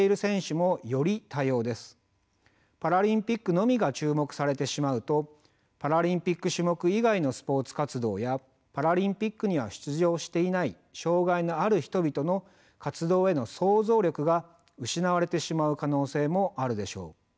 パラリンピックのみが注目されてしまうとパラリンピック種目以外のスポーツ活動やパラリンピックには出場していない障害のある人々の活動への想像力が失われてしまう可能性もあるでしょう。